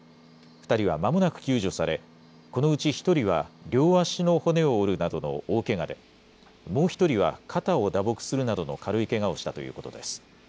２人はまもなく救助され、このうち１人は両足の骨を折るなどの大けがで、もう１人は肩を打撲するなどの軽いけがをしたということです。